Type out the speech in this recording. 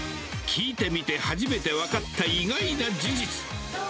聞いてみて初めて分かった意外な事実。